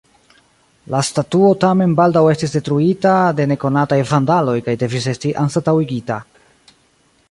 La statuo tamen baldaŭ estis detruita de nekonataj vandaloj kaj devis esti anstataŭigita.